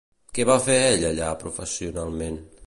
Què va fer ell allà professionalment?